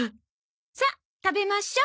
さあ食べましょう。